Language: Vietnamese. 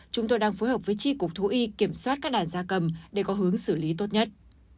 chúng tôi đang phối hợp với tri cục thú y kiểm soát các đàn da cầm để có hướng xử lý tốt nhất